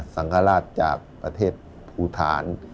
สังฆราชจากประเทศภูฐาน